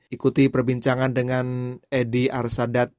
ikuti perbincangan dengan edi arsadat